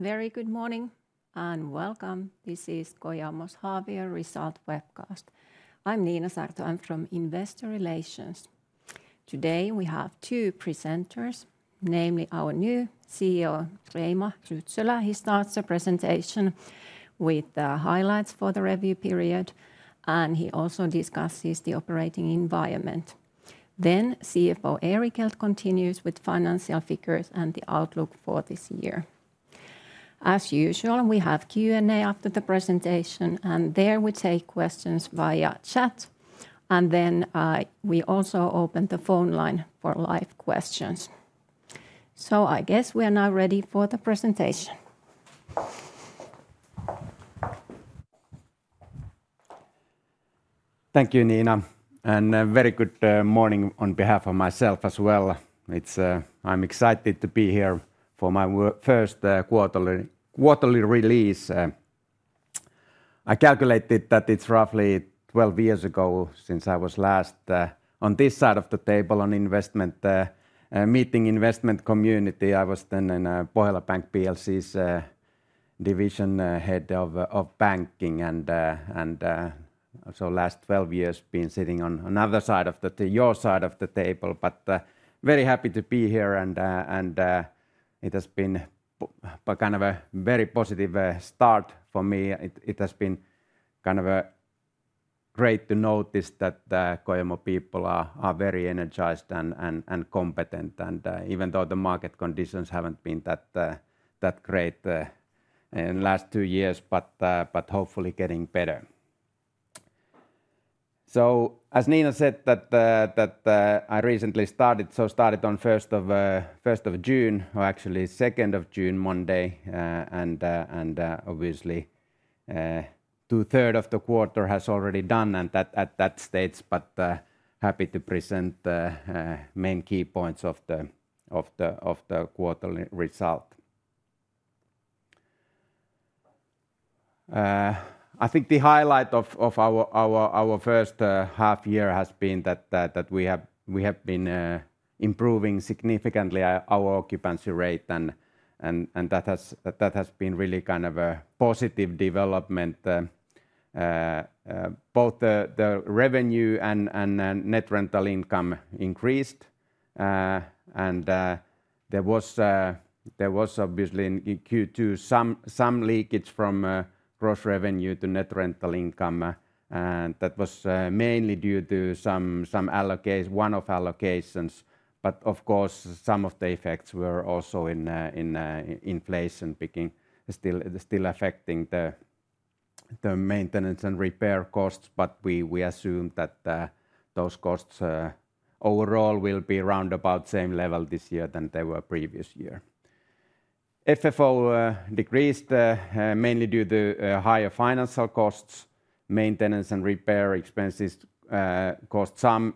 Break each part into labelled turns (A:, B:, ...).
A: Very good morning and welcome. This is Kojamo's Half Year Result Webcast. I'm Niina Saarto, I'm from Investor Relations. Today we have two presenters, namely our new CEO Reima Rytsölä. He starts the presentation with highlights for the review period and he also discusses the operating environment. Then CFO Erik continues with financial figures and the outlook for this year. As usual, we have QA after the presentation and there we take questions via chat and then we also open the phone line for live questions. I guess we are now ready for the presentation.
B: Thank you Niina and a very good morning on behalf of myself as well. I'm excited to be here for my first quarterly release. I calculated that it's roughly 12 years ago since I was last on this side of the table on investment meeting, investment community. I was then in Pohjola Bank plc's Division Head of Banking and so last 12 years been sitting on another side of your side of the table but very happy to be here. It has been kind of a very positive start for me. It has been kind of great to notice that Kojamo people are very energized and competent and even though the market conditions haven't been that great in last two years, hopefully getting better. As Niina said, I recently started, so started on 1st of June, actually 2nd of June, Monday and obviously two thirds of the quarter has already done at that stage but happy to present the main key points of the quarterly result. I think the highlight of our first half year has been that we have been improving significantly our occupancy rate and that has been really kind of a positive development. Both the revenue and net rental income increased and there was obviously in Q2 some leakage from gross revenue to net rental income and that was mainly due to some one-off allocations. Of course, some of the effects were also in inflation picking still affecting the maintenance and repair costs. We assume that those costs overall will be around about same level this year than they were previous year. FFO decreased mainly due to higher financial costs. Maintenance and repair expenses caused some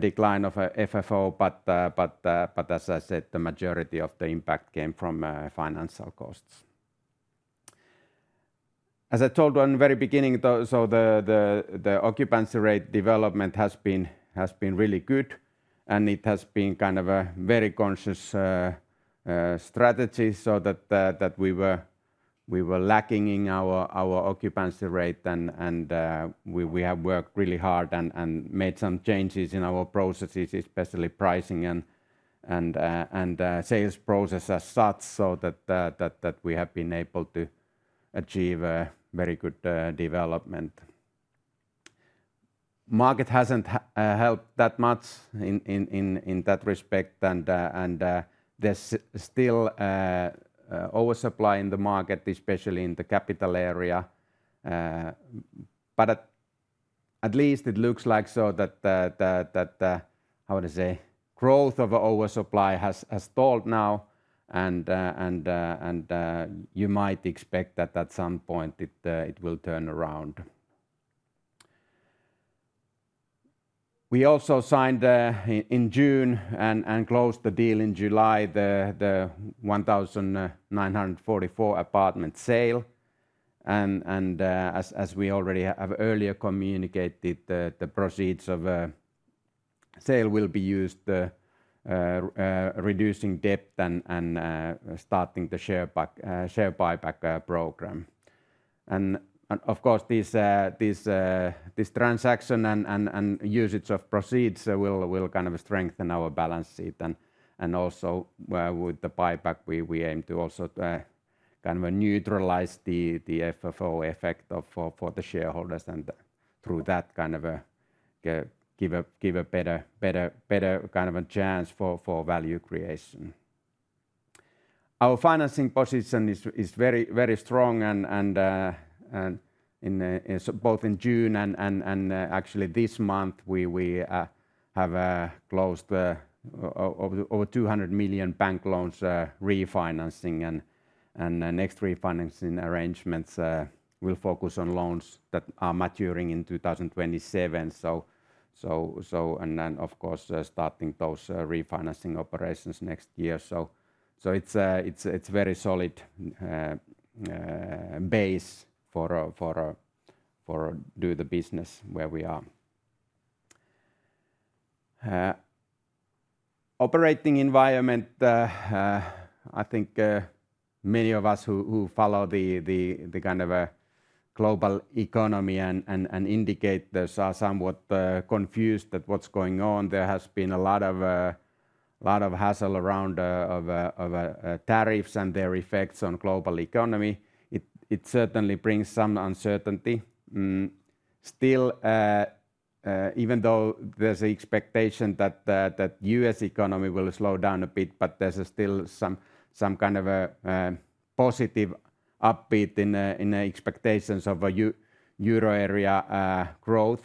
B: decline of FFO but as I said the majority of the impact came from financial costs as I told on the very beginning. The occupancy rate development has been really good and it has been kind of a very conscious strategy so that we were lacking in our occupancy rate and we have worked really hard and made some changes in our processes, especially pricing and sales process as such so that we have been able to achieve very good development. Market hasn't helped that much in that respect. There's still oversupply in the market, especially in the capital area, but at least it looks like growth of oversupply has stalled now and you might expect that at some point it will turn around. We also signed in June and closed the deal in July the 1,944 apartment sale. As we already have earlier communicated, the proceeds of sale will be used reducing debt and starting the share buyback program. Of course, this transaction and usage of proceeds will kind of strengthen our balance sheet. Also, with the buyback we aim to also kind of neutralize the FFO effect for the shareholders and through that kind of give a better kind of a chance for value creation. Our financing position is very strong and both in June and actually this month we have closed over 200 million bank loans. Refinancing and next refinancing arrangements will focus on loans that are maturing in 2027 and then of course starting those refinancing operations next year. It's very solid base for do the business where we are operating environment. I think many of us who follow the kind of a global economy and indicate this are somewhat confused at what's going on. There has been a lot of hassle around tariffs and their effects on global economy. It certainly brings some uncertainty still, even though there's an expectation that U.S. economy will slow down a bit. There's still some kind of a positive upbeat in expectations of euro area growth.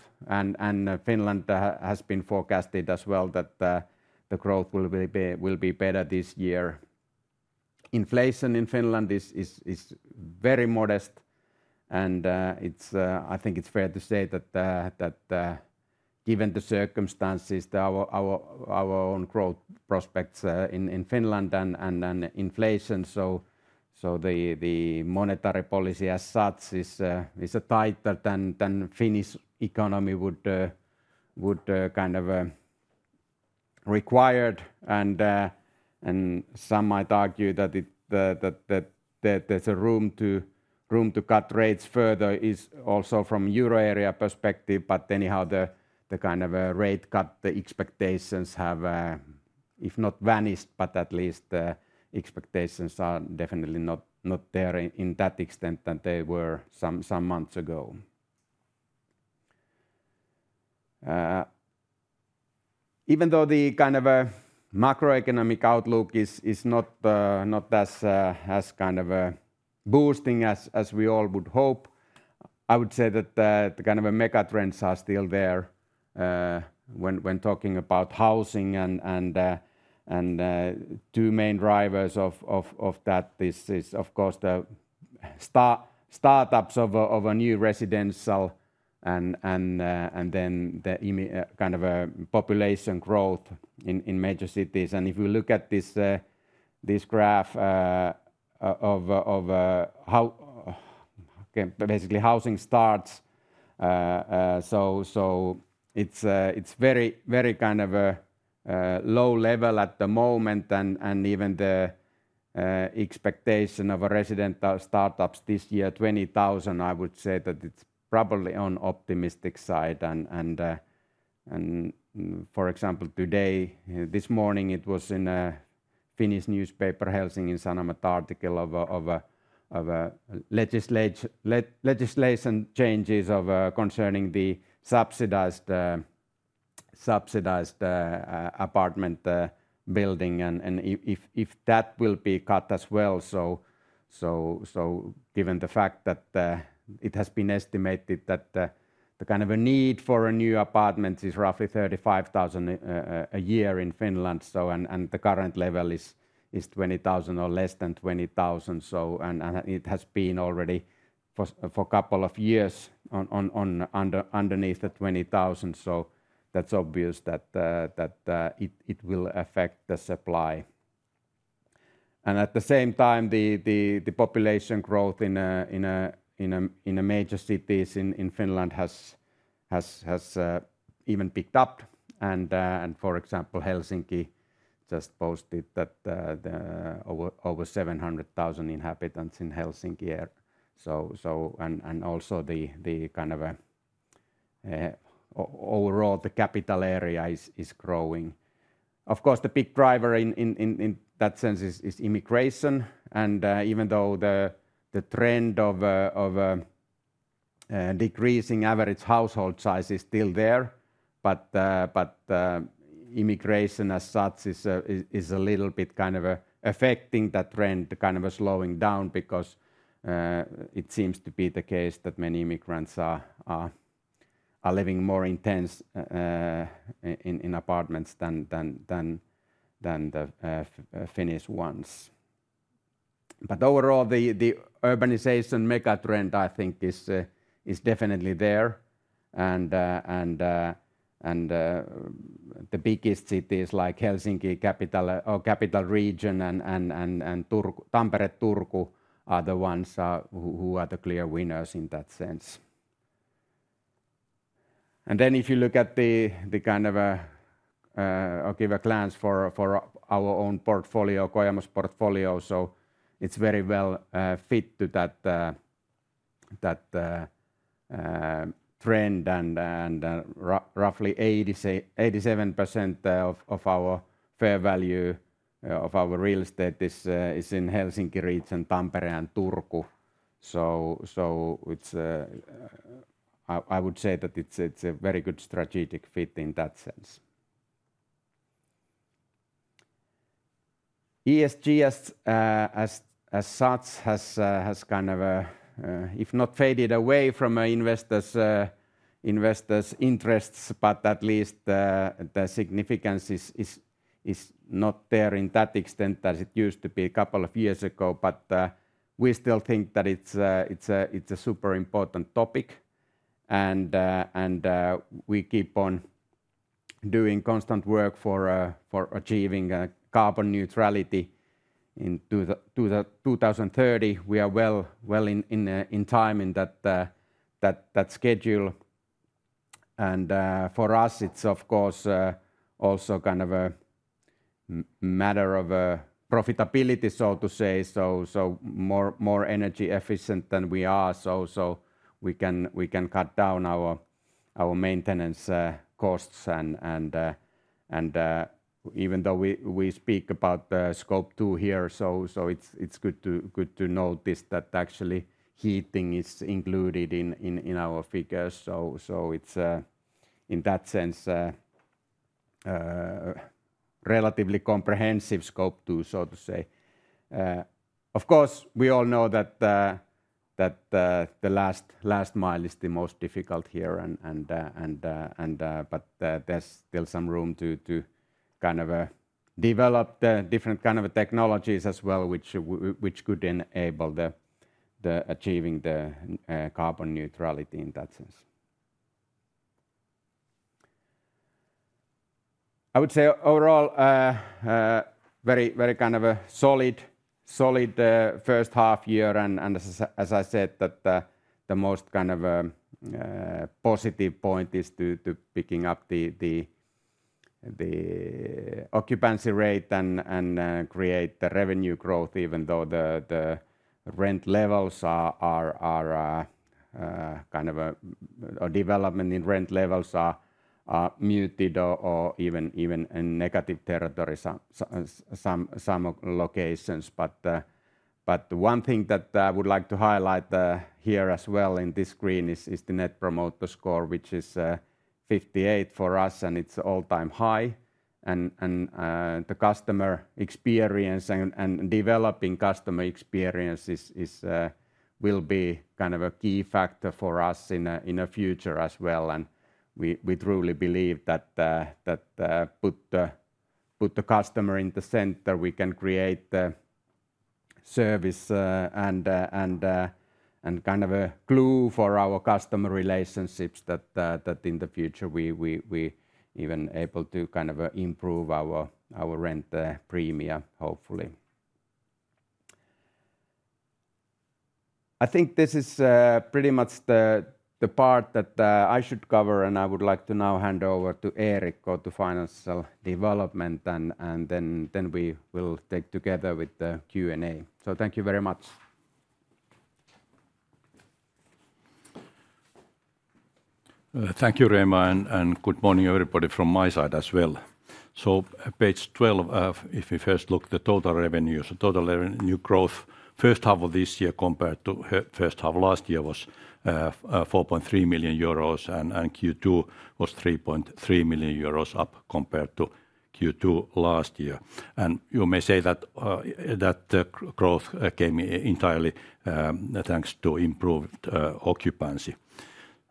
B: Finland has been forecasted as well that the growth will be better this year. Inflation in Finland is very modest and I think it's fair to say that given the circumstances, our own growth prospects in Finland and inflation. The monetary policy as such is a tighter than Finnish economy would kind of required. Some might argue that there's room to cut rates further is also from euro area perspective. Anyhow, the kind of rate cut the expectations have if not vanished, but at least expectations are definitely not there in that extent that they were some months ago. Even though the kind of a macroeconomic outlook is not as kind of boosting as we all would hope, I would say that the kind of a mega trends are still there when talking about housing and two main drivers of that this is of course the startups of a new residential and then the kind of a population growth in major cities. If you look at this graph of how basically housing starts, it's very kind of a low level at the moment and even the expectation of a residential start-ups this year, 20,000. I would say that it's probably on optimistic side. For example, today this morning it was in a Finnish newspaper, Helsingin Sanomat, article of legislation changes concerning the subsidized apartment building and if that will be cut as well. Given the fact that it has been estimated that the kind of a need for a new apartment is roughly 35,000 a year in Finland and the current level is 20,000 or less than 20,000 and it has been already for a couple of years underneath the 20,000. It's obvious that it will affect the supply and at the same time the population growth in major cities in Finland has even picked up. For example, Helsinki just posted that over 700,000 inhabitants in Helsinki. Also, overall the capital area is growing. Of course, the big driver in that sense is immigration. Even though the trend of decreasing average household size is still there, immigration as such is a little bit kind of affecting that trend, kind of slowing down because it seems to be the case that many immigrants are living more intense in apartments than the Finnish ones. Overall, the urbanization megatrend I think is definitely there. The biggest cities like Helsinki, Capital Region, Tampere, Turku are the ones who are the clear winners in that sense. If you look at the kind of, I'll give a glance for our own portfolio, Kojamo's portfolio, it's very well fit to that trend. Roughly 87% of our fair value of our real estate is in Helsinki Region, Tampere and Turku. I would say that it's a very good strategic fit in that sense. ESG as such has kind of, if not faded away from investors' interests, at least the significance is not there in that extent as it used to be a couple of years ago. We still think that it's a super important topic and we keep on doing constant work for achieving carbon neutrality in 2030. We are well in time in that schedule. For us it's of course also kind of a matter of profitability, so to say. More energy efficient than we are, so we can cut down our maintenance costs. Even though we speak about the scope two here, it's good to notice that actually heating is included in our figures. It's in that sense relatively comprehensive scope two, so to say. Of course, we all know that the last mile is the most difficult here, but there's still some room to kind of develop different kind of technologies as well which could enable achieving the carbon neutrality. In that sense, I would say overall, very, very kind of a solid first half year. As I said, the most kind of positive point is picking up the occupancy rate and creating the revenue growth. Even though the development in rent levels is muted or even in negative territory in some locations, one thing that I would like to highlight here as well in this screen is the Net Promoter Score, which is 58 for us, and it's an all-time high. The customer experience and developing customer experience will be kind of a key factor for us in the future as well. We truly believe that putting the customer in the center, we can create service and kind of a clue for our customer relationships that in the future we are even able to improve our rent premium hopefully. I think this is pretty much the part that I should cover, and I would like to now hand over to Erik, go to financial development, and then we will take together with the Q&A. Thank you very much.
C: Thank you Reima and good morning everybody from my side as well. Page 12, if we first look at the total revenues, the total revenue growth first half of this year compared to first half last year was 4.3 million euros. Q2 was 3.3 million euros up compared to Q2 last year. You may say that growth came entirely thanks to improved occupancy.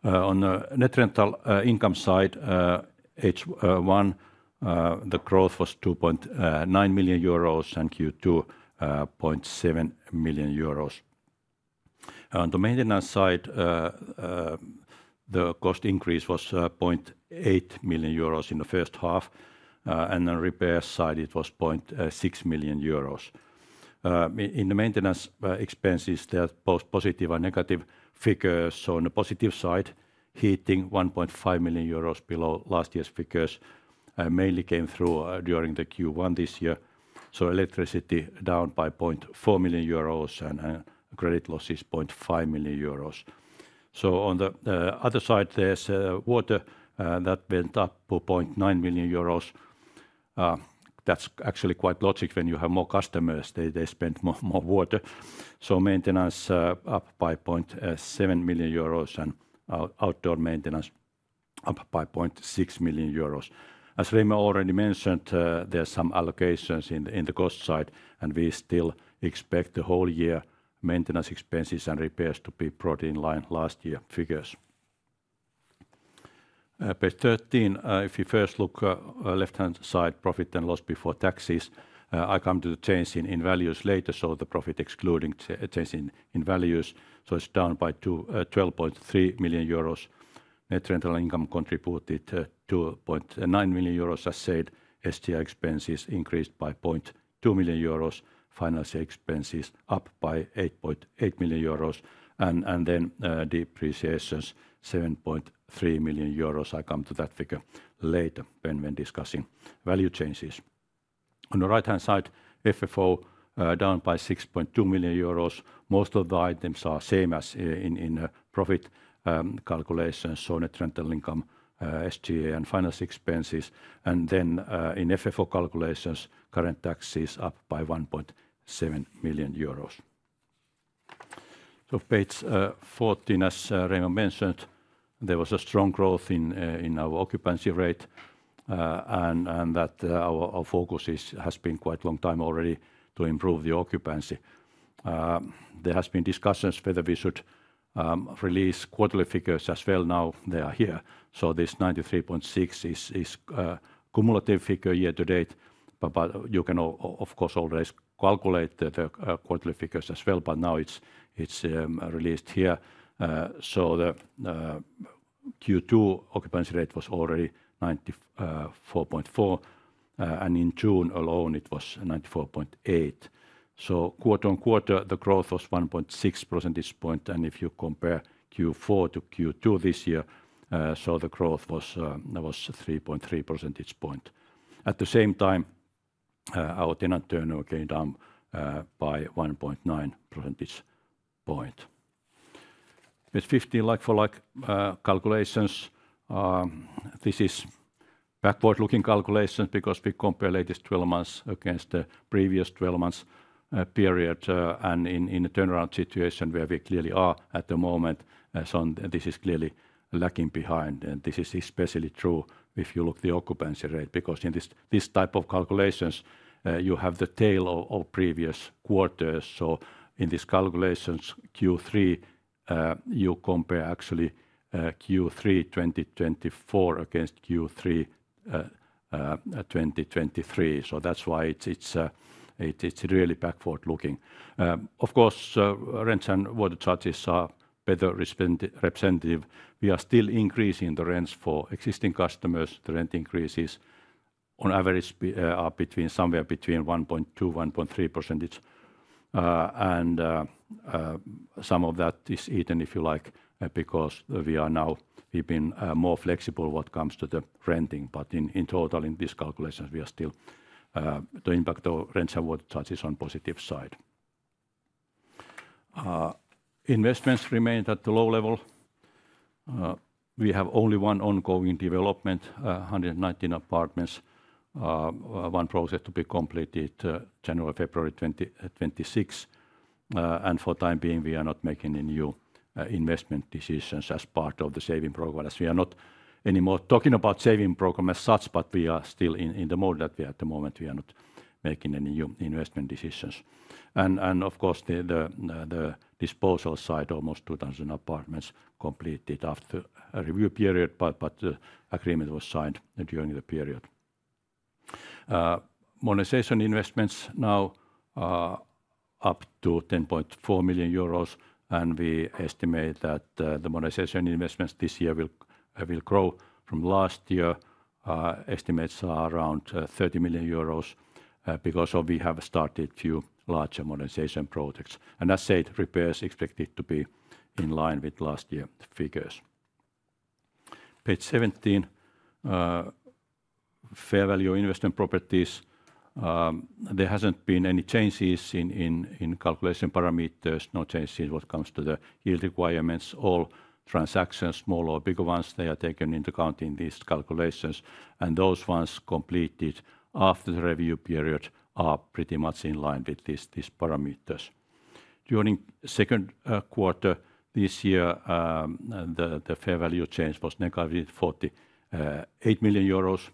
C: On the net rental income side, H1 the growth was 2.9 million euros and Q2 7 million euros. On the maintenance side, the cost increase was 0.8 million euros in the first half and on the repair side it was 0.6 million euros. In the maintenance expenses there are both positive and negative figures. On the positive side, heating 1.5 million euros below last year's figures mainly came through during Q1 this year. Electricity down by 0.4 million euros and credit losses 0.5 million euros. On the other side, there's water that went up by 0.9 million euros. That's actually quite logical. When you have more customers, they spend more water. Maintenance up by 0.7 million euros and outdoor maintenance up by 0.6 million euros. As Reima already mentioned, there's some allocations in the cost side and we still expect the whole year maintenance expenses and repairs to be brought in line with last year figures. Page 13, if you first look at the left-hand side, profit and loss before taxes. I will come to the change in values later. The profit excluding change in values was down by 12.3 million euros. Net rental income contributed 2.9 million euros. As said, SG&A expenses increased by 0.2 million euros. Financial expenses up by 8.8 million euros. Depreciations 7.3 million euros. I will come to that figure later when discussing value changes. On the right-hand side, FFO down by 6.2 million euros. Most of the items are the same as in profit calculations: net rental income, SG&A, and finance expenses. In FFO calculations, current tax is up by 1.7 million euros. Page 14, as Reima mentioned, there was a strong growth in our occupancy rate and our focus has been for quite a long time already to improve the occupancy. There have been discussions whether we should release quarterly figures as well. Now they are here. This 93.6% is a cumulative figure year to date. You can of course always calculate the quarterly figures as well, but now it's released here. The Q2 occupancy rate was already 94.4% and in June alone it was 94.8%. Quarter on quarter, the growth was 1.6%. If you compare Q4 to Q2 this year, the growth was 3.3 percentage points. At the same time, our Tenant turnover came down by 1.9 percentage points. Like-for-like calculations, this is a backward-looking calculation because we compare the latest 12 months against the previous 12 months period. In a turnaround situation where we clearly are at the moment, this is clearly lagging behind. This is especially true if you look at the occupancy rate, because in this type of calculation you have the tail of previous quarters. In these calculations, in Q3 you actually compare Q3 2024 against Q3 2023. That's why it's really backward-looking. Rents and water charges are better representative. We are still increasing the rents for existing customers. The rent increases on average are somewhere between 1.2% and 1.3%. Some of that is eaten, if you like, because we are now even more flexible when it comes to the renting. In total, in these calculations we are still doing back the rent award charges. On the positive side, investments remained at a low level. We have only one ongoing development, 119 apartments, one process to be completed January or February 2026. For the time being, we are not making any new investment decisions as part of the saving program, as we are not anymore talking about the saving program as such. We are still in the mode that we are at the moment. We are not making any investment decisions. Of course, on the disposal side, almost 2,000 apartments were completed after the review period, but the agreement was signed during the period. Monetization investments now are up to 10.4 million euros. We estimate that the monetization investments this year will grow from last year. Estimates are around 30 million euros because we have started a few larger monetization projects, and as said, repairs are expected to be in line with last year's figures. Page 17, fair value investment properties. There haven't been any changes in calculation parameters. No changes when it comes to the yield requirements. All transactions, smaller or bigger ones, are taken into account in these calculations. Those ones completed after the review period are pretty much in line with these parameters. During the second quarter this year, the fair value change was negatively 48 million euros.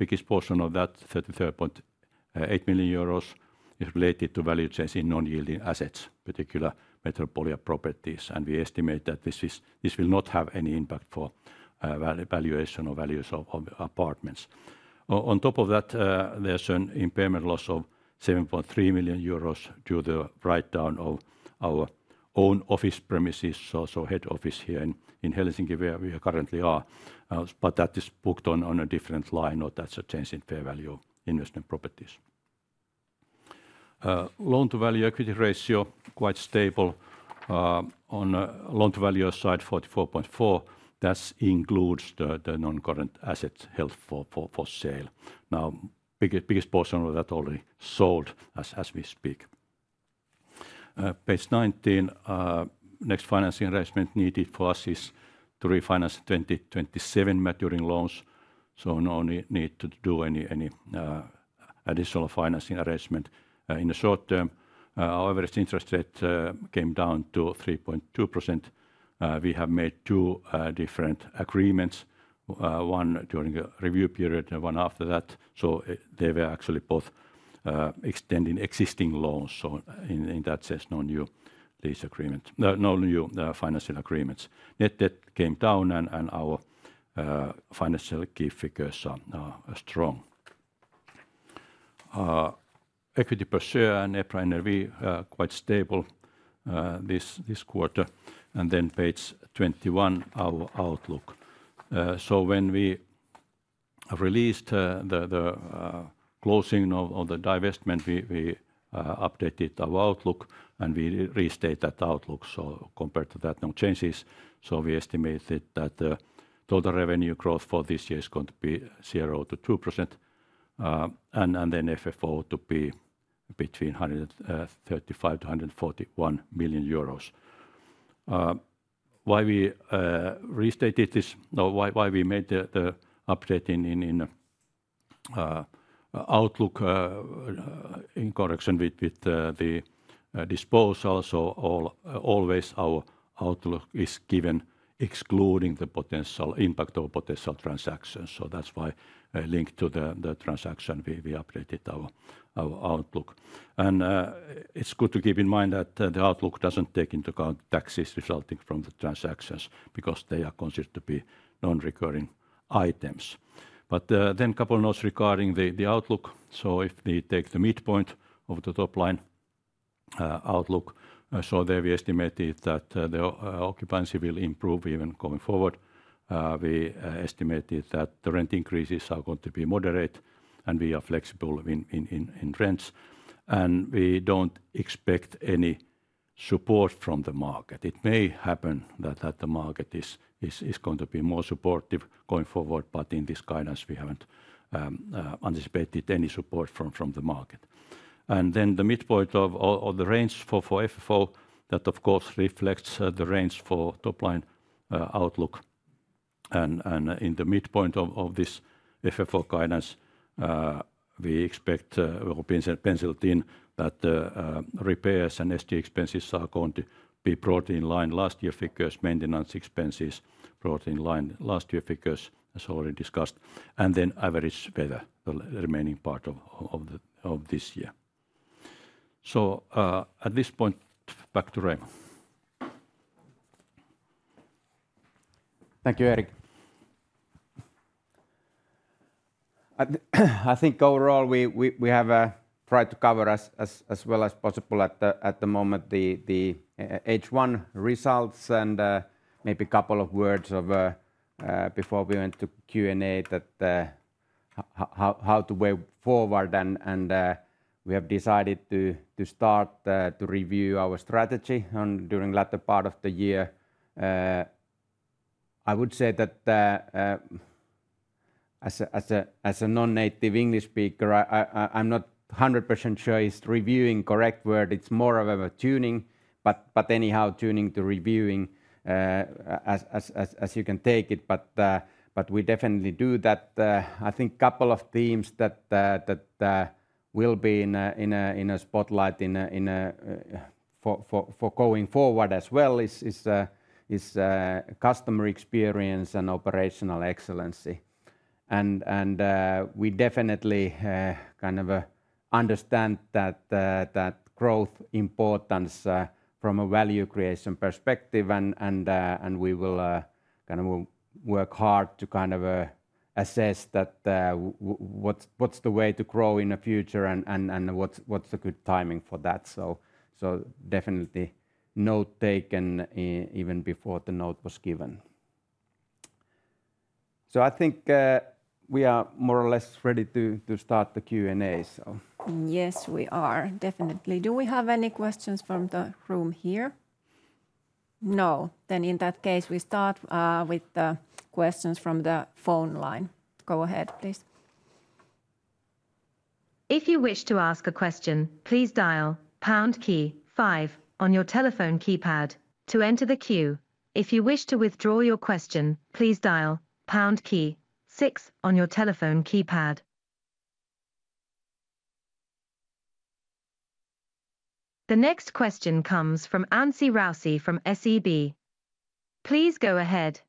C: The biggest portion of that, 33.8 million euros, is related to value chasing non-yielding assets, particularly metropolitan properties. We estimate that this will not have any impact for valuation or values of apartments. On top of that, there's an impairment loss of 7.3 million euros due to the write-down of our own office premises, also Head Office here in Helsinki where we currently are. That is booked on a different line, or that's a change in fair value investment properties. Loan to value equity ratio is quite stable on the loan to value side, 44.4%. That includes the non-current assets held for sale now, with the biggest portion of that already sold as we speak. Page 19. The next financing arrangement needed for us is to refinance 2027 maturing loans. There is no need to do any additional financing arrangement in the short term. Our average interest rate came down to 3.2%. We have made two different agreements, one during a review period and one after that. They were actually both extending existing loans. In that sense, no new lease agreement, no new financial agreements. Net debt came down and our financial key figures are strong. Equity per share and EPRA NRV are quite stable this quarter. Page 21, our outlook. When we released the closing of the divestment, we updated our outlook and we restate that outlook. Compared to that, no changes. We estimated that total revenue growth for this year is going to be 0%-2% and FFO to be between 135 million-141 million euros. The reason we restated this, the reason we made the update in outlook in connection with the disposal, is that our outlook is always given excluding the potential impact of a potential transaction. That is why, linked to the transaction, we updated our outlook. It is good to keep in mind that the outlook doesn't take into account taxes resulting from the transactions because they are considered to be non-recurring items. A couple notes regarding the outlook: if they take the midpoint of the top line outlook, we estimated that the occupancy will improve even going forward. We estimated that the rent increases are going to be moderate and we are flexible in rents, and we don't expect any support from the market. It may happen that the market is going to be more supportive going forward, but in this guidance we haven't anticipated any support from the market. The midpoint of the range for FFO, that of course reflects the range for top line outlook. In the midpoint of this FFO guidance, we expect Europeans and penciled in that repairs and SG expenses are going to be brought in line with last year figures, maintenance expenses brought in line with last year figures as already discussed, and then average weather the remaining part of this year. At this point, back to Rei.
B: Thank you, Erik. I think overall we have tried to cover as well as possible at the moment the H1 results, and maybe a couple of words before we go to Q&A about how to move forward. We have decided to start to review our strategy during the latter part of the year. I would say that as a non-native English speaker, I'm not 100% sure if reviewing is the correct word. It's more of a tuning, but anyhow, tuning to reviewing as you can take it. We definitely do that. I think a couple of themes that will be in the spotlight for going forward as well are customer experience and operational excellence. We definitely understand that growth is important from a value creation perspective, and we will work hard to assess what's the way to grow in the future and what's the good timing for that. Definitely note taken even before the note was given. I think we are more or less ready to start the Q&A.
A: Yes, we are definitely. Do we have any questions from the room here? No. In that case, we start with the questions from the phone line. Go ahead, please.
D: If you wish to ask a question, please dial on your telephone keypad to enter the queue. If you wish to withdraw your question, please dial six on your telephone keypad. The next question comes from Anssi Raussi from SEB. Please go ahead.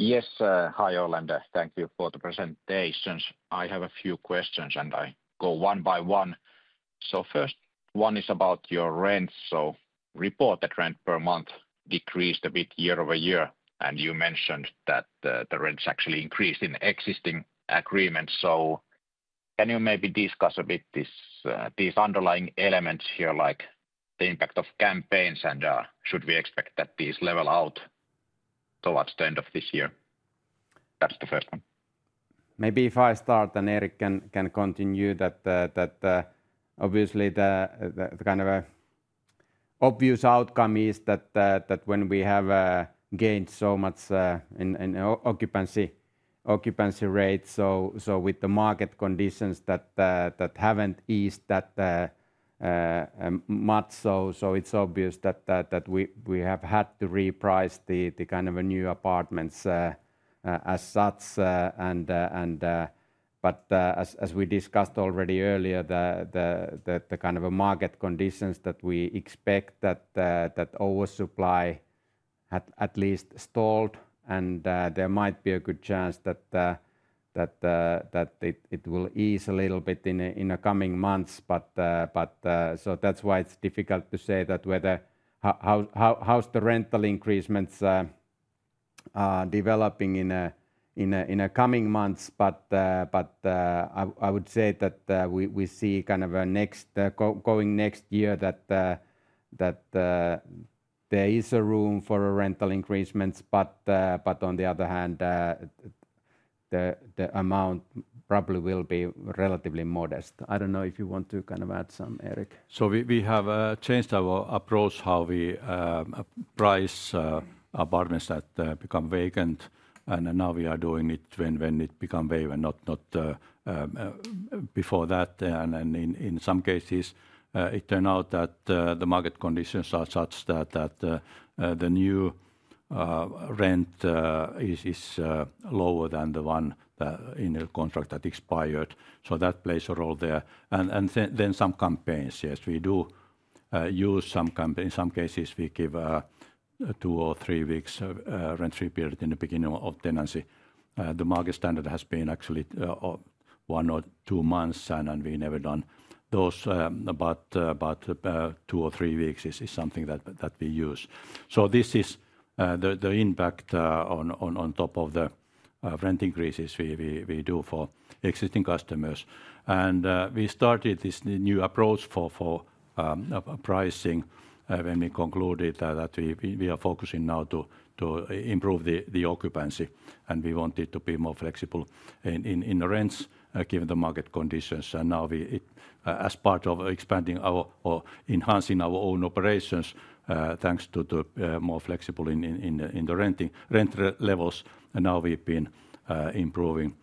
E: Yes, hi Ole and thank you for the presentations. I have a few questions and I go one by one. The first one is about your rents. Reported rent per month decreased a bit year over year and you mentioned that the rents actually increase in existing agreements. Can you maybe discuss a bit these underlying elements here, like the impact of campaigns, and should we expect that these level out towards the end of this year? That's the first one.
B: Maybe if I start and Erik can continue that. Obviously, the kind of obvious outcome is that when we have gained so much occupancy, occupancy rate, with the market conditions that haven't eased that much, it's obvious that we have had to reprice the kind of new apartments as such. As we discussed already earlier, the kind of market conditions that we expect, that oversupply had at least stalled, and there might be a good chance that it will ease a little bit in the coming months. That's why it's difficult to say whether, how's the rental increasements developing in the coming months. I would say that we see kind of next, going next year, that there is a room for rental increasements. On the other hand, the amount probably will be relatively modest. I don't know if you want to kind of add some, Erik.
C: We have changed our approach how we price apartments that become vacant and now we are doing it when it becomes vacant, not before that. In some cases it turned out that the market conditions are such that the new rent is lower than the one in a contract that expired. That plays a role there. Some campaigns, yes, we do use some. In some cases we give two or three weeks rent-free period in the beginning of tenancy. The market standard has been actually one or two months and we have never done those, but two or three weeks is something that we use. This is the impact on top of the rent increases we do for existing customers. We started this new approach for pricing when we concluded that we are focusing now to improve the occupancy and we want to be more flexible in the rents given the market conditions. As part of expanding or enhancing our own operations, thanks to being more flexible in the rent levels, we have been improving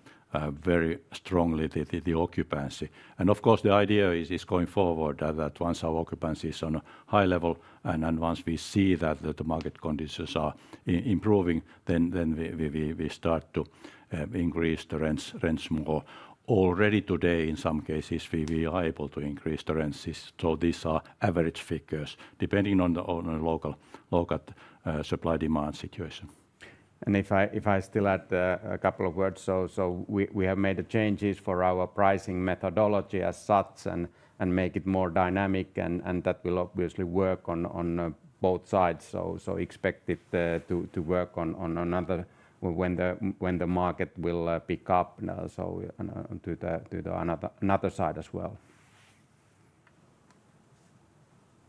C: very strongly the occupancy. Of course, the idea is going forward that once our occupancy is on a high level and once we see that the market conditions are improving, then we start to increase the rents more. Already today in some cases we are able to increase the rent. These are average figures depending on the local supply-demand situation and if.
B: I still add a couple of words. We have made the changes for our pricing methodology as such and make it more dynamic, and that will obviously work on both sides. Expect it to work when the market will pick up to another side as well.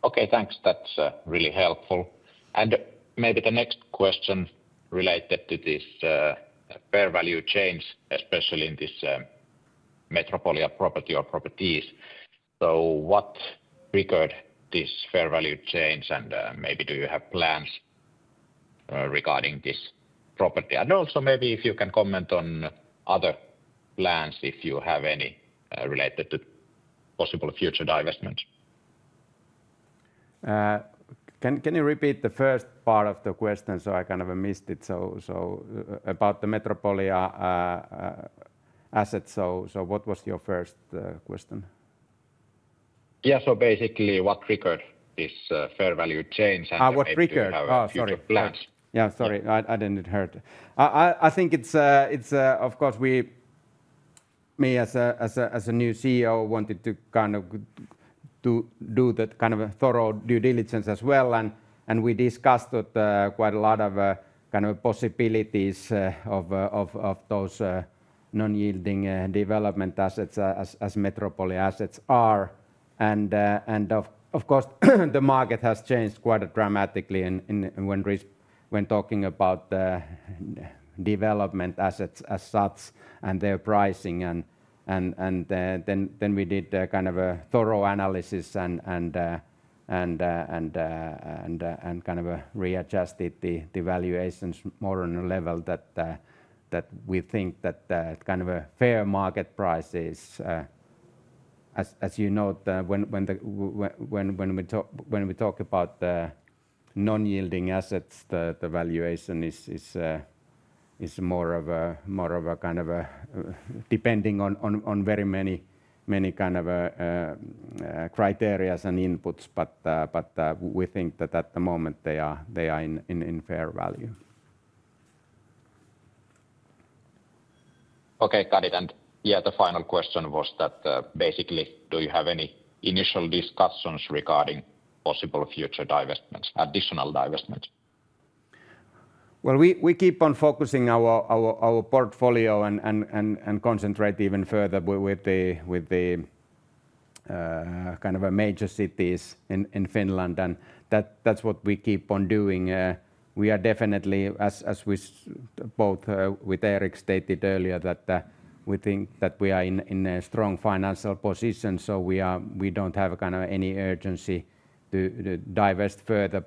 E: Okay, thanks, that's really helpful. Maybe the next question is related to this fair value change, especially in this metropolitan property or properties. What triggered this fair value change? Do you have plans regarding this property? Also, maybe if you can comment on other plans if you have any related possible future divestment.
B: Can you repeat the first part of the question? I kind of missed it about the Metropolia assets. What was your first question?
E: Yeah, so basically what record is fair value change?
B: Yeah, sorry, I didn't hear. I think it's of course me as a new CEO wanted to kind of do that kind of a thorough due diligence as well. We discussed quite a lot of possibilities of those non-yielding development assets as Metropolia assets are. Of course, the market has changed quite dramatically when talking about the development assets as such and their pricing. We did kind of a thorough analysis and kind of readjusted the valuations more on a level that we think that kind of a fair market price is. As you know, when we talk about non-yielding assets, the valuation is more of a kind of depending on very many kind of criteria and inputs. We think that at the moment they are in fair value.
E: Okay, got it. The final question was that basically do you have any initial discussions regarding possible future divestments, additional divestment?
B: We keep on focusing our portfolio and concentrate even further with the kind of major cities in Finland, and that's what we keep on doing. We are definitely, as both Erik stated earlier, that we think that we are in a strong financial position, so we don't have any urgency to divest further.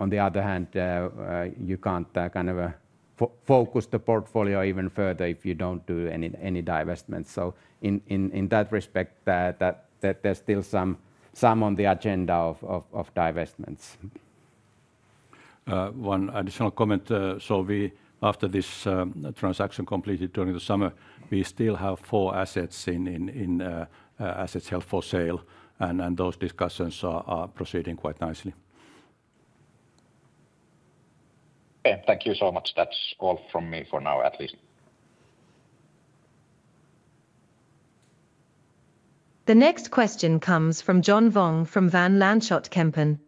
B: On the other hand, you can't focus the portfolio even further if you don't do any divestments. In that respect, there's still some on the agenda of divestments.
C: One additional comment. After this transaction completed during the summer, we still have four assets in assets held for sale, and those discussions are proceeding quite nicely.
E: Thank you so much. That's all from me for now at least.
D: The next question comes from John Vong from Van Lanschot Kempen.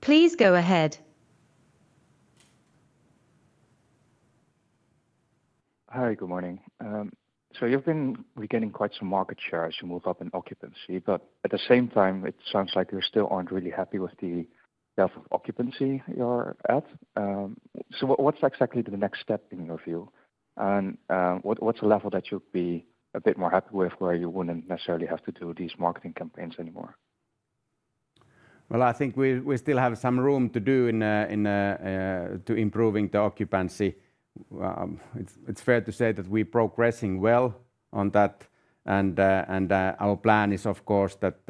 D: Please go ahead. Hi, good morning. You've been regaining quite some market share as you move up in occupancy, but at the same time it sounds like you still aren't really happy with the level of occupancy you're at. What's exactly the next step in your view? What's a level that you'll be a bit more happy with where you wouldn't necessarily have to do these marketing campaigns anymore.
B: I think we still have some room to do to improving the occupancy. It's fair to say that we progressing well on that, and our plan is of course that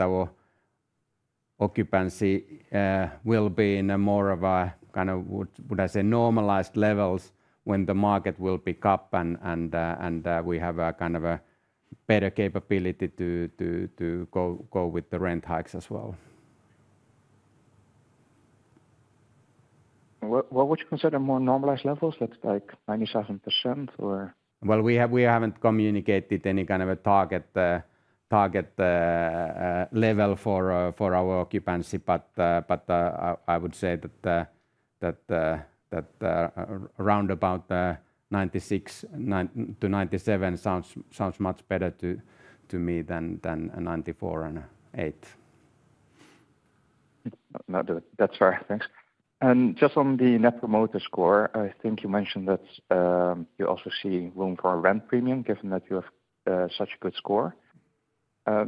B: our occupancy will be in a more of a kind of, would I say, normalized levels when the market will pick up and we have kind of a better capability to go with the rent hikes as well. What would you consider more normalized levels? That's like 97% or. We haven't communicated any kind of a target level for our occupancy, but I would say that around about 96%-97% sounds much better to me than a 94.8%. That's right. Thanks. Just on the Net Promoter Score, I think you mentioned that you also see room for a rent premium given that you have such a good score. I'm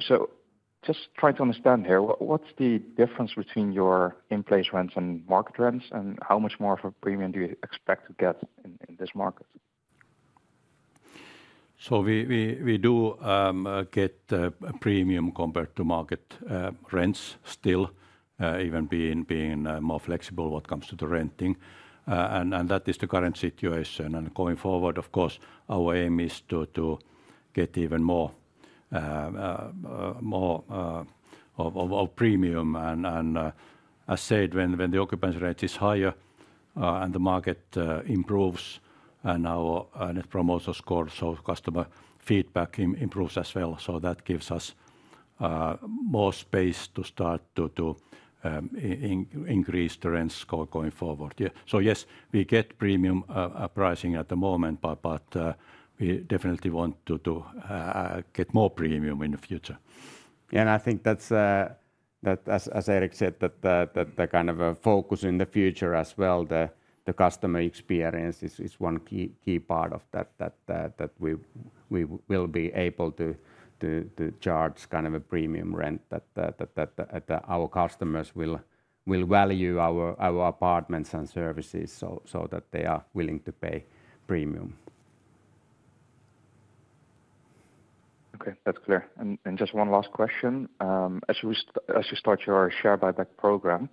B: just trying to understand here, what's the difference between your in place rents and market rents, and how much more of a premium do you expect to get in this market?
C: We do get a premium compared to market rents still, even being more flexible when it comes to the renting. That is the current situation. Going forward, of course our aim is to get even more of a premium. As said, when the occupancy rate is higher and the market improves, now Net Promoter Score shows customer feedback improves as well. That gives us more space to start to increase the rent score going forward. Yes, we get premium pricing at the moment, but we definitely want to get more premium in the future.
B: I think that's as Erik said, that the kind of focus in the future as well, the customer experience is one key part of that. We will be able to charge kind of a premium rent, that our customers will value our apartments and services so that they are willing to pay premium. Okay, that's clear. Just one last question. As you start your share buyback program,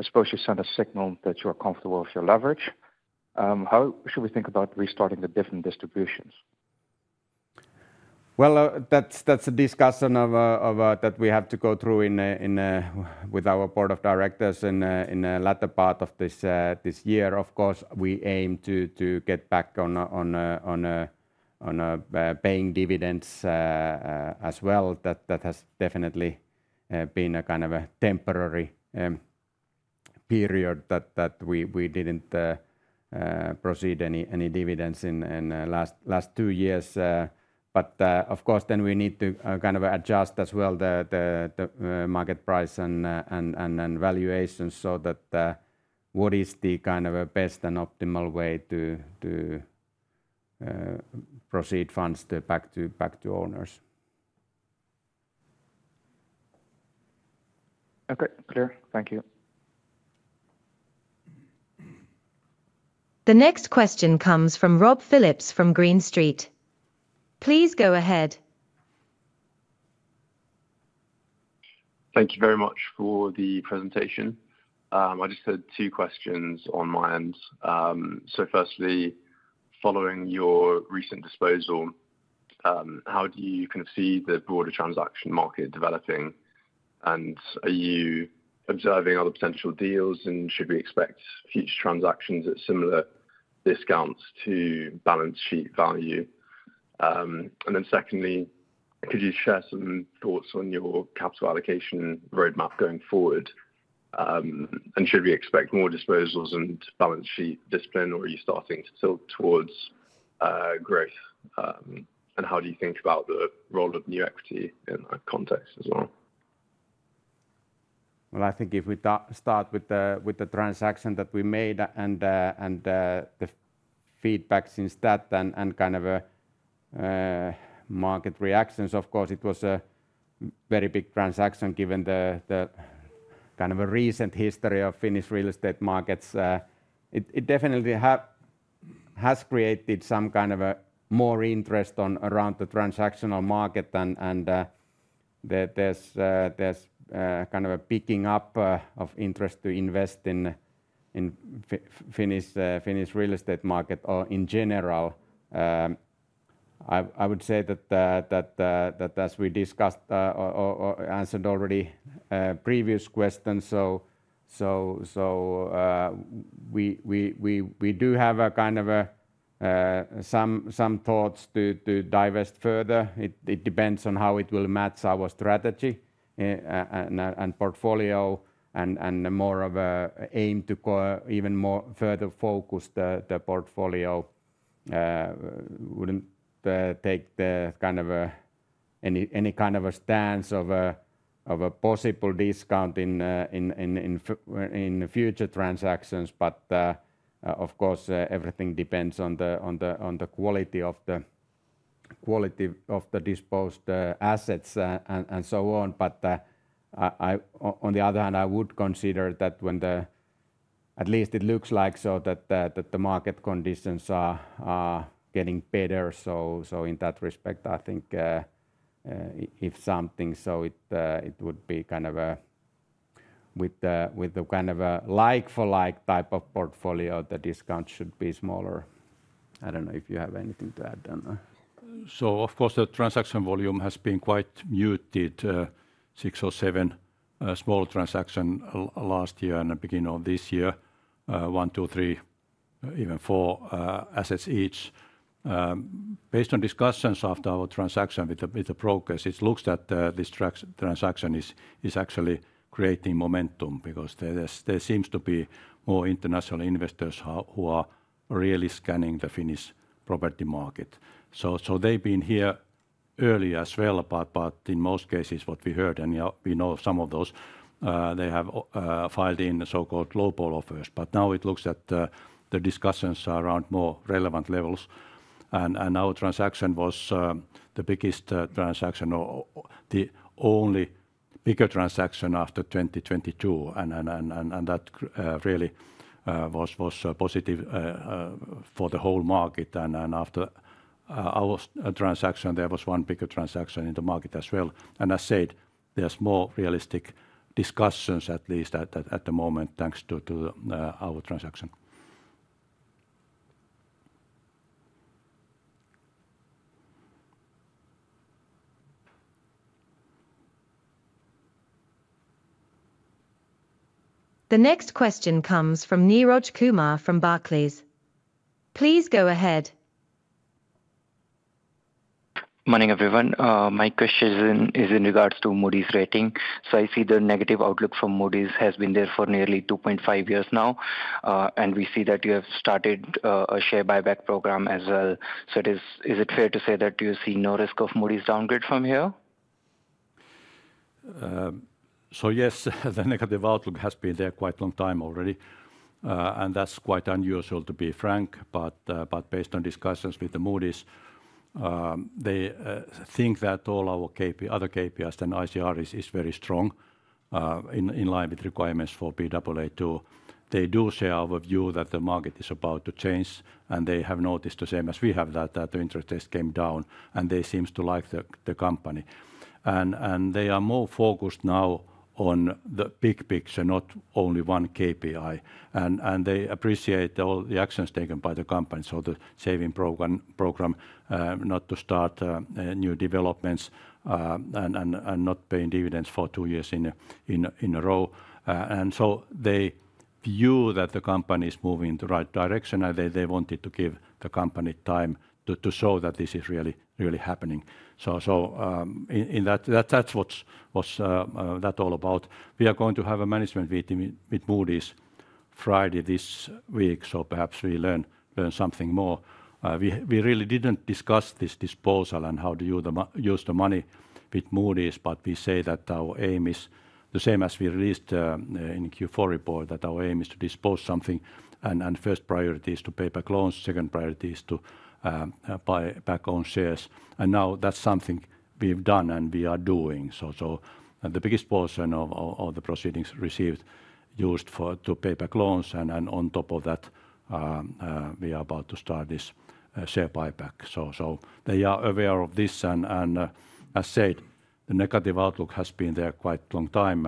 B: I suppose you send a signal that you are comfortable with your leverage. How should we think about restarting the different distributions? That's a discussion that we have to go through with our Board of Directors in the latter part of this year. Of course, we aim to get back on paying dividends as well. That has definitely been a kind of a temporary period that we didn't proceed any dividends in the last two years. Of course, we need to kind of adjust as well the market price and valuations so that what is the kind of a best and optimal way to proceed? Funds back to owners. Okay, clear. Thank you.
D: The next question comes from Rob Phillips from Green Street. Please go ahead.
F: Thank you very much for the presentation. I just had two questions on my end. Firstly, following your recent disposal, how do you see the broader transaction market developing, and are you observing other potential deals? Should we expect future transactions at similar discounts to balance sheet value? Secondly, could you share some thoughts on your capital allocation roadmap going forward, and should we expect more disposals and balance sheet discipline, or are you starting to tilt towards growth? How do you think about the role of new equity in that context as well?
B: I think if we start with the transaction that we made and the feedback since that and kind of market reactions, of course it was a very big transaction. Given the kind of a recent history of Finnish real estate markets, it definitely has created some kind of more interest around the transactional market and there's kind of a picking up of interest to invest in Finnish real estate market or in general, I would say that as we discussed answered already previous questions. We do have a kind of some thoughts to divest further. It depends on how it will match our strategy and portfolio and more of aim to even further focus the portfolio. I wouldn't take any kind of a stance of a possible discount in future transactions. Of course everything depends on the quality of the disposed assets and so on. On the other hand, I would consider that at least it looks like the market conditions are getting better. In that respect, I think if something, it would be kind of a, with the kind of a like for like type of portfolio, the discount should be smaller. I don't know if you have anything to add, Dan.
C: Of course, the transaction volume has been quite muted. 607 small transactions last year and the beginning of this year, 1, 2, 3, even 4 assets each. Based on discussions after our transaction with the progress, it looks that this transaction is actually creating momentum because there seems to be more international investors who are really scanning the Finnish property market. They've been here early as well. In most cases, what we heard and we know some of those, they have filed in the so-called global offers. Now it looks at the discussions around more relevant levels and our transaction was the biggest transaction or the only bigger transaction after 2022 and that really was positive for the whole market. After our transaction, there was one bigger transaction in the market as well. I said there's more realistic discussions at least at the moment, thanks to our transaction.
D: The next question comes from Neeraj Kumar from Barclays. Please go ahead.
G: Morning, everyone. My question is in regards to Moody’s rating. I see the negative outlook for Moody’s has been there for nearly 2.5 years now, and we see that you have started a share buyback program as well. Is it fair to say that you see no risk of Moody’s downgrade from here?
C: Yes, the negative outlook has been there quite a long time already and that's quite unusual, to be frank. Based on discussions with Moody’s, they think that all our other KPIs and ICR is very strong in line with requirements for Baa2. They do share our view that the market is about to change and they have noticed the same as we have, that the interest rate came down and they seem to like the company and they are more focused now on the big picture, not only one KPI. They appreciate all the actions taken by the company, the saving program not to start new developments and not paying dividends for two years in a row. They view that the company is moving in the right direction and they wanted to give the company time to show that this is really happening. That's what that's all about. We are going to have a management meeting with Moody’s Friday this week, so perhaps we learn something more. We really didn't discuss this disposal and how to use the money with Moody’s, but we say that our aim is the same as we released in Q4 report, that our aim is to dispose something and first priority is to pay back loans. Second priority is to buy back own shares. Now that's something we've done and we are doing so. The biggest portion of all the proceedings received used to pay back loans and on top of that we are about to start this share buyback. They are aware of this and, as said, the negative outlook has been there quite long time.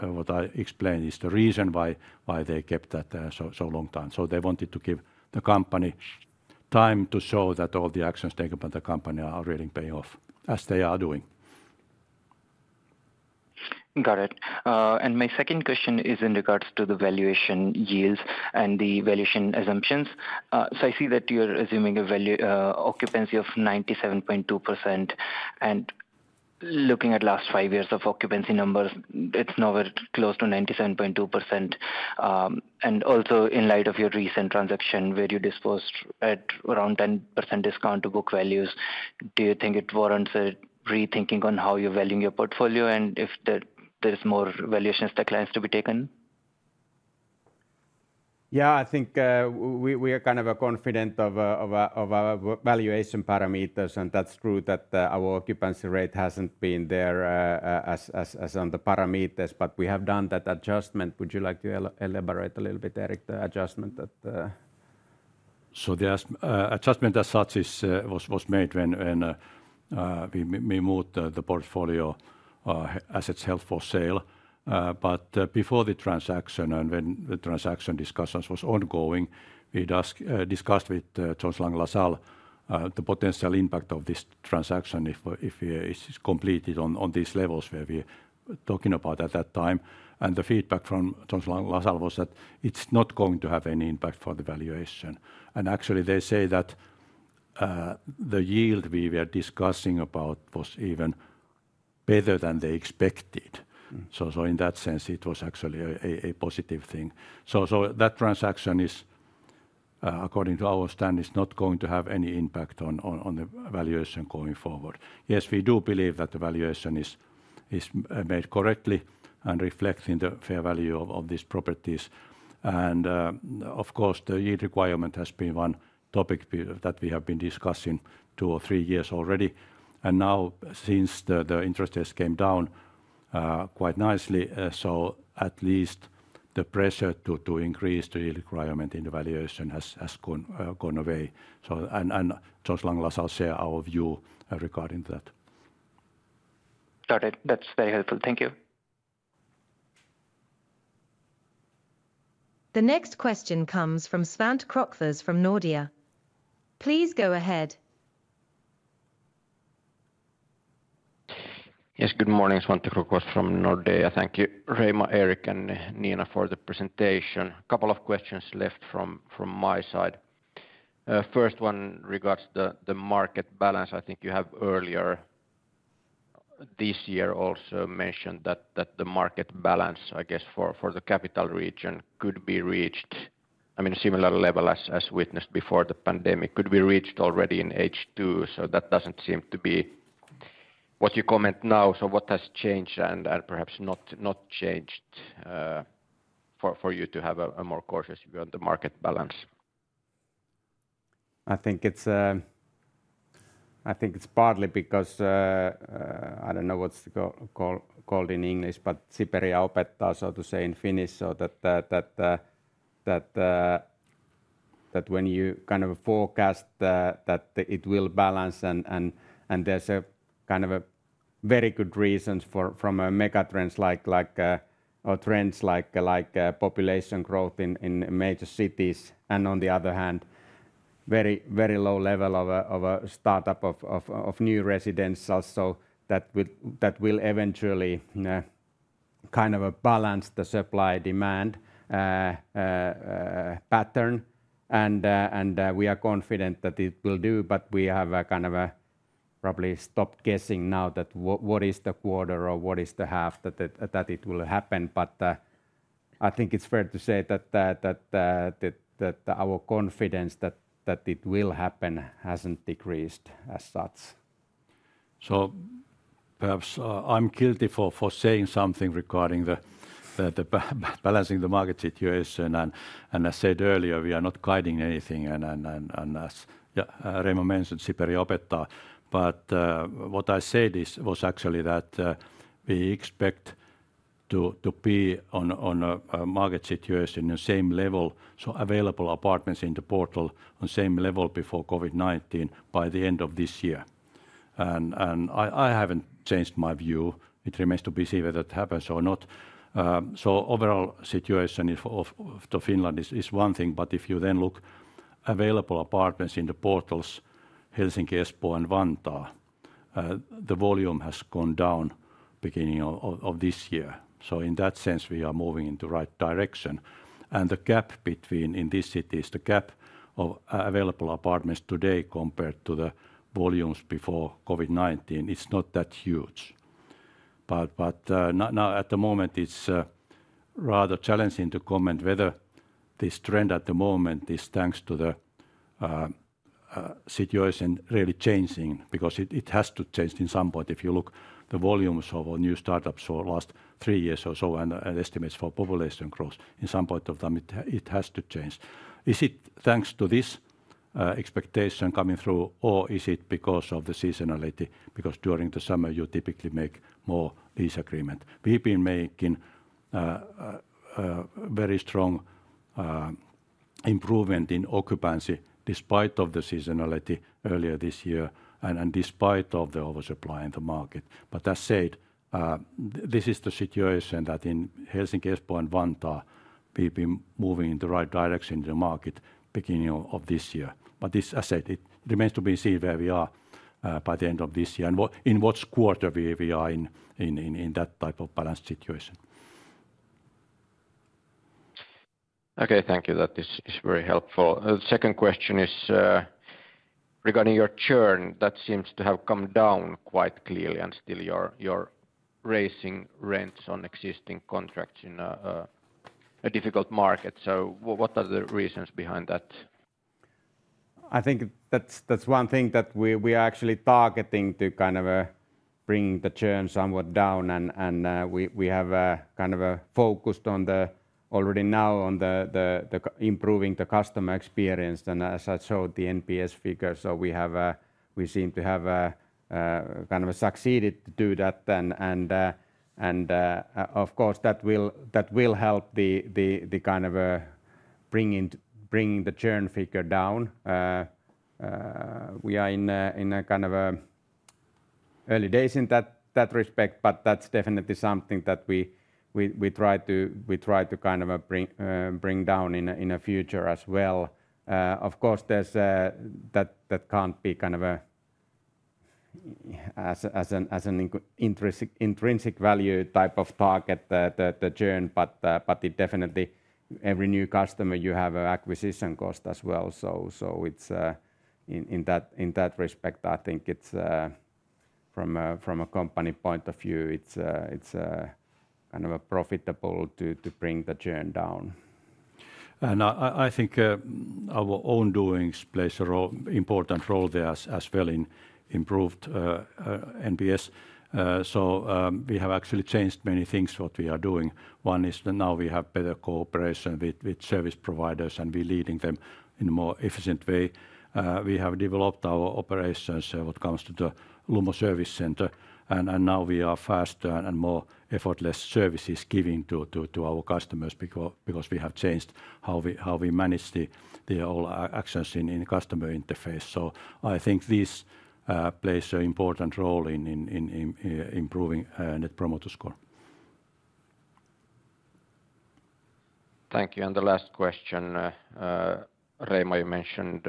C: What I explained is the reason why they kept that there so long time. They wanted to give the company time to show that all the actions taken by the company are really paying off as they are doing.
G: Got it. My second question is in regards to the valuation yields and the valuation assumptions. I see that you're assuming a value occupancy of 97.2% and looking at last five years of occupancy numbers, it's nowhere close to 97.2%. Also, in light of your recent transaction where you disposed at around 10% discount to book values, do you think it warrants a rethinking on how you're valuing your portfolio and if there's more valuation declines to be taken?
B: Yeah, I think we are kind of confident of our valuation parameters, and that's true that our occupancy rate hasn't been there as on the parameters, but we have done that adjustment. Would you like to elaborate a little bit, Erik? The adjustment.
C: The adjustment as such was made when we moved the portfolio assets held for sale, before the transaction and when the transaction discussion was ongoing. We discussed with JLL the potential impact of this transaction if it's completed on these levels we were talking about at that time, and the feedback from Thomas Lazar was that it's not going to have any impact for the valuation. Actually, they say that the yield we were discussing about was even better than they expected. In that sense, it was actually a positive thing. That transaction, according to our stand, is not going to have any impact on the valuation going forward. Yes, we do believe that the valuation is made correctly and reflecting the fair value of these properties. Of course, the yield requirement has been one topic that we have been discussing two or three years already, and now since the interest has come down quite nicely, at least the pressure to increase the requirement in the valuation has gone away. JLL shares our view regarding that.
G: Got it. That's very helpful, thank you.
D: The next question comes from Svante Krokfors from Nordea. Please go ahead.
H: Yes, good morning. Svante Krokfors from Nordea. Thank you Reima, Erik and Niina for the presentation. A couple of questions left from my side. First one regards the market balance. I think you have earlier this year also mentioned that the market balance, I guess for the capital region, could be reached, I mean similar level as witnessed before the pandemic, could be reached already in H2. That doesn't seem to be what you comment now. What has changed and perhaps not changed for you to have more courses on the market balance?
B: I think it's partly because I don't know what it's called in English, but so to say in Finnish. When you kind of forecast that it will balance, and there's a kind of a very good reason from megatrends or trends like population growth in major cities and, on the other hand, a very low level of startup of new residents, also that will eventually kind of balance the supply-demand pattern. We are confident that it will do. We have probably stopped guessing now what is the quarter or what is the half that it will happen. I think it's fair to say that our confidence that it will happen hasn't decreased as such.
C: Perhaps I'm guilty for saying something regarding balancing the market situation and I said earlier we are not guiding anything and Reima mentioned Siperia opettaa, but what I said was actually that we expect to be on a market situation the same level. Available apartments in the portal on same level before COVID-19 by the end of this year and I haven't changed my view. It remains to be seen whether it happens or not. Overall situation to Finland is one thing, but if you then look available apartments in the portals Helsinki, Espoo and Vantaa, the volume has gone down beginning of this year. In that sense we are moving in the right direction and the gap between in this city is the gap of available apartments today compared to the volumes before COVID-19, it's not that huge. At the moment it's rather challenging to comment whether this trend at the moment is thanks to the situation really changing because it has to change in some point. If you look the volumes of new startups for last three years or so and estimates for population growth in some part of them, it has to change. Is it thanks to this expectation coming through or is it because of the seasonality because during the summer you typically make more lease agreement? We've been making very strong improvement in occupancy despite of the seasonality earlier this year and despite of the oversupply in the market. That said, this is the situation that in Helsinki, Espoo and Vantaa we've been moving in the right direction in the market beginning of this year. This I said it remains to be seen where we are by the end of this year and in what quarter where we are in in that type of balanced situation.
H: Okay, thank you, that is very helpful. Second question is regarding your churn. That seems to have come down quite clearly, and still you're raising rents on existing contracts in a difficult market. What are the reasons behind that?
B: I think that's one thing that we are actually targeting to kind of bring the churn somewhat down, and we have kind of focused already now on improving the customer experience. As I showed the NPS figure, we seem to have kind of succeeded to do that, and of course that will help with bringing the churn figure down. We are in early days in that respect, but that's definitely something that we try to kind of bring down in the future as well. Of course, that can't be as an intrinsic value type of target, the churn. It definitely means every new customer you have an acquisition cost as well, so in that respect I think from a company point of view it's kind of profitable to bring the churn down.
C: I think our own doings plays an important role there as well in improved NPS. We have actually changed many things. What we are doing, one is that now we have better cooperation with service providers and be leading them in a more efficient way. We have developed our operations when it comes to the Lumo Service Center and now we are faster and more effortless services giving to our customers because we have changed how we manage all our actions in customer interface. I think this plays an important role in improving Net Promoter Score.
H: Thank you. The last question, Reima, you mentioned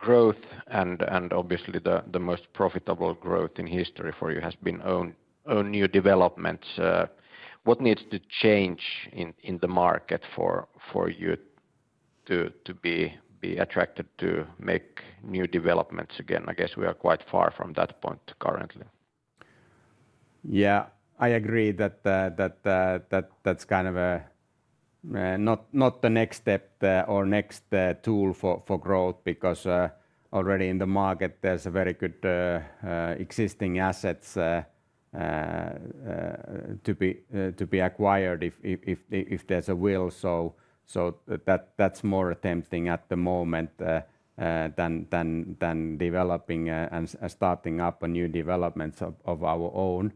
H: growth and obviously the most profitable growth in history for you has been own new developments. What needs to change in the market for you to be attracted to make new developments again? I guess we are quite far from that point currently.
B: Yeah, I agree that's kind of not the next step or next tool for growth because already in the market there's very good existing assets to be acquired if there's a will. That's more tempting at the moment than developing and starting up new developments of our own.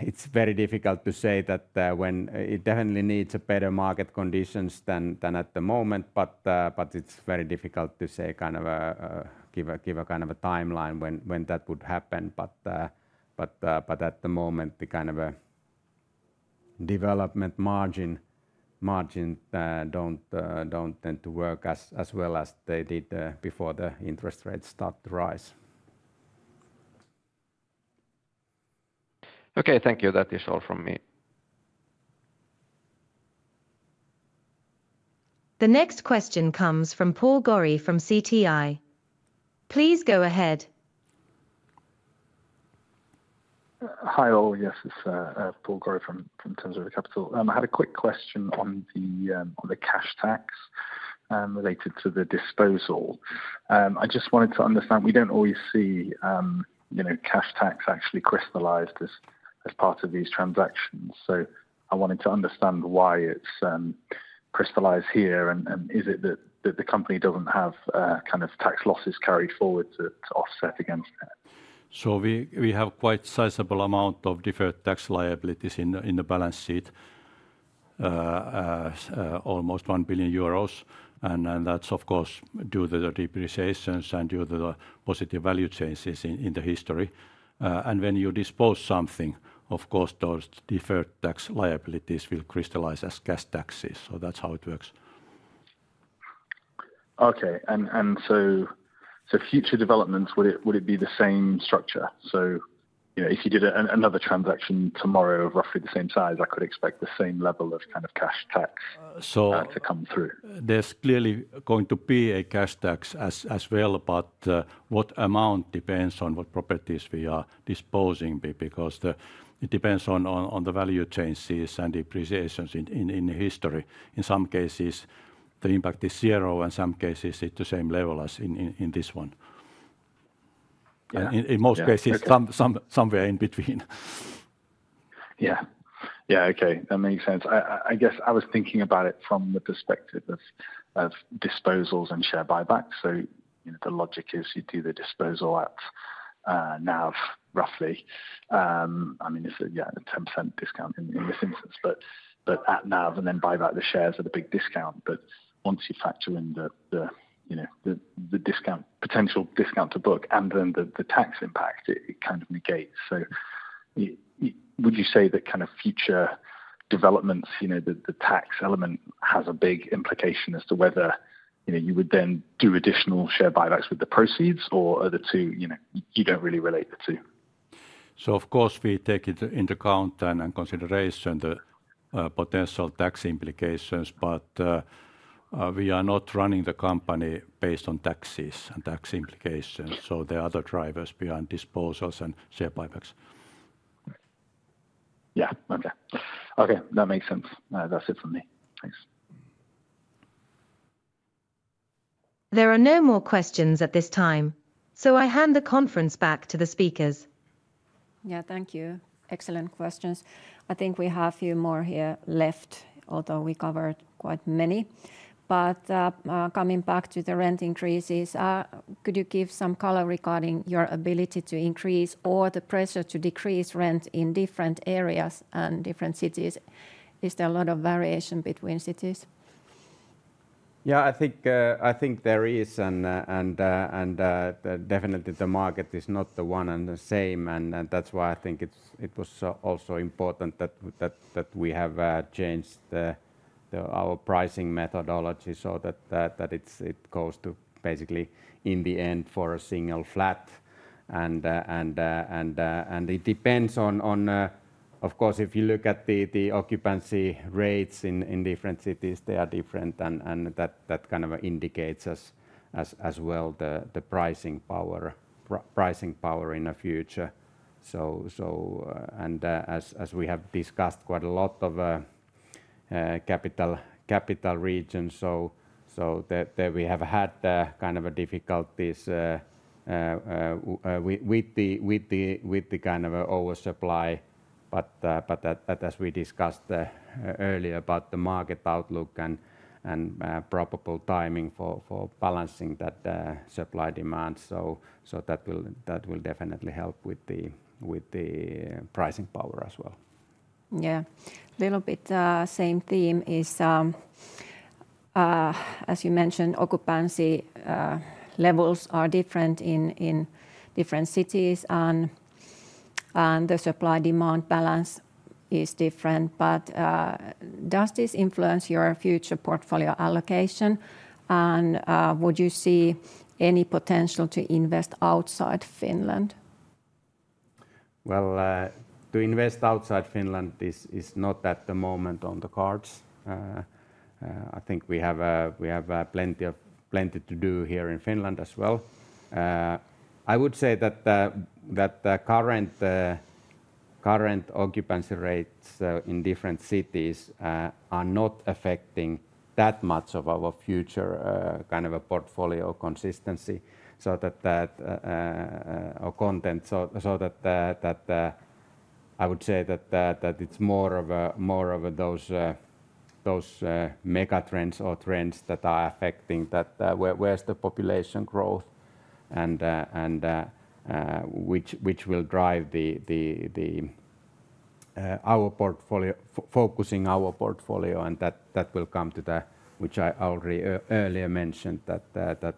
B: It's very difficult to say that when it definitely needs better market conditions than at the moment, but it's very difficult to say, kind of give a timeline when that would happen. At the moment the development margin doesn't tend to work as well as they did before the interest rates started to rise.
H: Okay, thank you. That is all from me.
D: The next question comes from Paul Gorrie from CTI. Please go ahead. Hi all. Yes, it's [Paul Gorrie from Tanzania Capital]. I had a quick question on the cash tax related to the disposal. I just wanted to understand we don't always see cash tax actually crystallized as part of these transactions. I wanted to understand why it's crystallized here and is it that the company doesn't have kind of tax losses carried forward to offset against that.
C: We have quite a sizable amount of deferred tax liabilities in the balance sheet, almost 1 billion euros. That's of course due to the depreciations and due to the positive value changes in the history. When you dispose something, of course those deferred tax liabilities will crystallize as transaction-related taxes. That's how it works. Okay. Future developments, would it be the same structure? If you did another transaction tomorrow of roughly the same size, I could expect the same level of kind of cash tax to come through. There's clearly going to be a cash tax as well. What amount depends on what properties we are disposing because it depends on the value changes and depreciations in history. In some cases the impact is zero, and in some cases at the same level as in this one. In most cases, somewhere in between. Yeah, okay, that makes sense. I guess I was thinking about it from the perspective of disposals and share buybacks. The logic is you do the disposal at NAV, roughly. I mean, it's a 10% discount in this instance, but at NAV, and then buy back the shares at a big discount. Once you factor in the discount, potential discount to book, and then the tax impact, it kind of negates. Would you say that kind of future developments, the tax element has a big implication as to whether you would then do additional share buybacks with the proceeds, or are the two, you don't really relate the two. Of course we take into account and consideration the potential tax implications, but we are not running the company based on taxes and tax implications. There are the drivers behind disposals and share buybacks. Okay, that makes sense. That's it for me. Thanks.
D: There are no more questions at this time, so I hand the conference back to the speakers.
A: Thank you. Excellent questions. I think we have a few more here left, although we covered quite many. Coming back to the rent increases, could you give some color regarding your ability to increase or the pressure to decrease rent in different areas and different cities? Is there a lot of variation between cities?
B: Yeah, I think there is. Definitely the market is not the one and the same. That's why I think it was also important that we have changed our pricing methodology so that it goes to basically in the end for a single flat. It depends on, of course, if you look at the occupancy rates in different cities, they are different. That kind of indicates as well the pricing power in the future. As we have discussed quite a lot of capital regions, we have had kind of difficulties with the kind of oversupply. As we discussed earlier about the market outlook and probable timing for balancing that supply demand, that will definitely help with the pricing power as well.
A: Yeah, a little bit. Same theme is as you mentioned, occupancy levels are different in different cities, and the supply-demand balance is different. Does this influence your future portfolio allocation? Would you see any potential to invest outside Finland?
B: To invest outside Finland is not at the moment on the cards. I think we have plenty to do here in Finland as well. I would say that current occupancy rates in different cities are not affecting that much of our future kind of a portfolio consistency or content. I would say that it's more of those megatrends or trends that are affecting that. Where's the population growth which will drive our portfolio? Focusing our portfolio and that will come to that which I already earlier mentioned that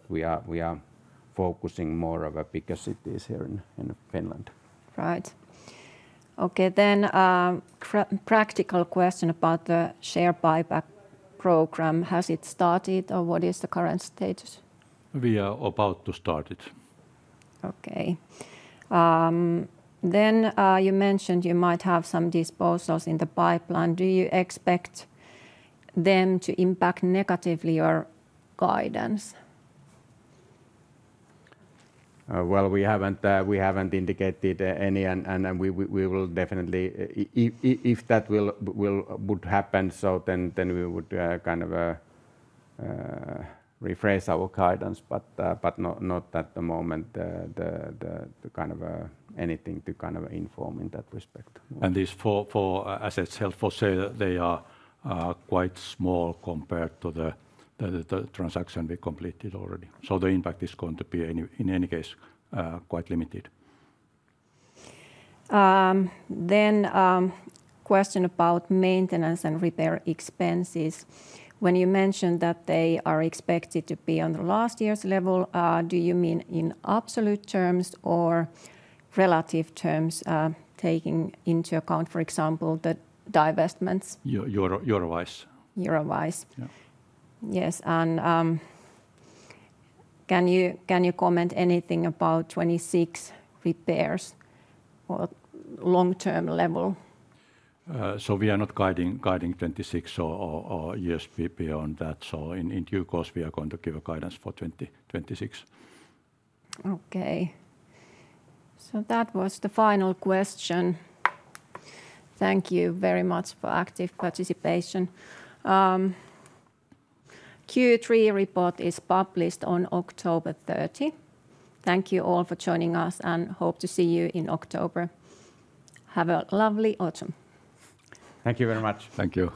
B: we are focusing more of a bigger cities here in Finland.
A: Right. Okay. Practical question about the share buyback program. Has it started or what is the current status?
C: We are about to start it.
A: Okay. You mentioned you might have some disposals in the pipeline. Do you expect them to impact negatively your guidance?
B: We haven't indicated any, and we will definitely, if that would happen, we would kind of rephrase our guidance. Not at the moment anything to kind of inform in that respect.
C: These assets held for sale are quite small compared to the transaction we completed already, so the impact is going to be in any case quite limited.
A: A question about maintenance and repair expenses: when you mentioned that they are expected to be on last year's level, do you mean in absolute terms or relative terms, taking into account, for example, the divestments?
C: Eurovice.
A: Eurovice, yes. Can you comment anything about 2026 repairs or long-term level?
C: We are not guiding 2026 or us beyond that. In due course, we are going to give a guidance for 2026.
A: Okay, so that was the final question. Thank you very much for active participation. Q3 report is published on October 30. Thank you all for joining us and hope to see you in October. Have a lovely autumn.
B: Thank you very much.
C: Thank you.